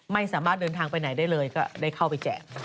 ไม่สามารถเดินทางไปไหนได้เลยก็ได้เข้าไปแจก